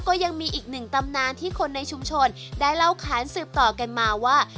ก็ยังมีอีกหนึ่งตำนานที่คนในชุมชนได้เล่าขานสืบต่อกันมาว่า